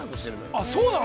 ◆あっ、そうなの。